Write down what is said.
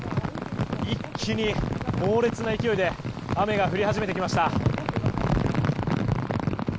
一気に猛烈な勢いで雨が降り始めてきました。